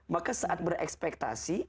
maka saat berekspektasi